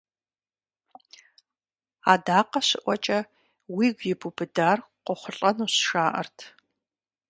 Адакъэ щыӀуэкӀэ уигу ибубыдар къохъулӀэнущ, жаӀэрт.